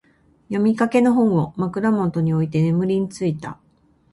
読みかけの本を、枕元に置いて眠りについた。